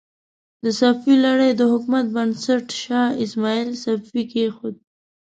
د صفوي لړۍ د حکومت بنسټ شاه اسماعیل صفوي کېښود.